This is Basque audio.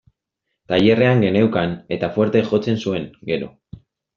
Tailerrean geneukan, eta fuerte jotzen zuen, gero.